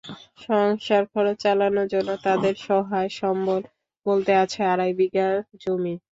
সংসার খরচ চালানোর জন্য তাঁদের সহায়-সম্বল বলতে আছে আড়াই বিঘা জমি।